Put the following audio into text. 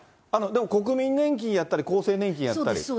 でも国民年金やったり厚生年金やったり。